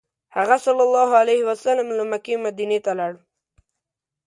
هغه ﷺ له مکې مدینې ته لاړ.